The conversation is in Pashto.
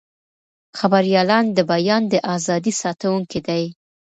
خبریالان د بیان د ازادۍ ساتونکي دي.